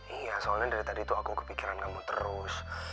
iya soalnya dari tadi itu aku kepikiran kamu terus